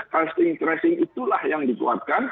testing tracing itulah yang dikuatkan